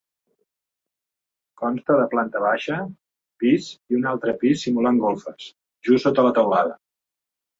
Consta de planta baixa, pis i un altre pis simulant golfes, just sota la teulada.